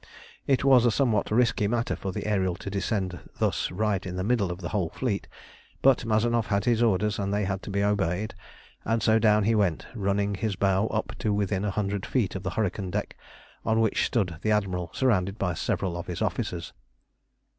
It was a somewhat risky matter for the Ariel to descend thus right in the middle of the whole fleet, but Mazanoff had his orders, and they had to be obeyed, and so down he went, running his bow up to within a hundred feet of the hurricane deck, on which stood the Admiral surrounded by several of his officers.